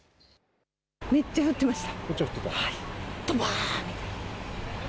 めっちゃ降ってました。